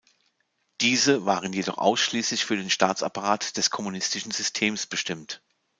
Diese waren jedoch ausschließlich für den Staatsapparat des kommunistischen Systems bestimmt.